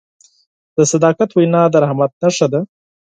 د صداقت وینا د رحمت نښه ده.